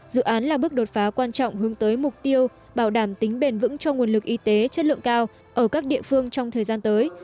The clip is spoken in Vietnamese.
dự án là bước đột phá quan trọng hướng tới mục tiêu bảo đảm tính bền vững cho nguồn lực y tế chất lượng cao ở các địa phương trong thời gian tới